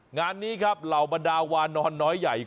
งานนี้ครับเหล่าบรรดาวานอนน้อยใหญ่